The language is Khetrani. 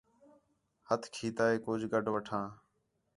ہَتھ کھیتا ہِے کُج گڈھ وٹھاں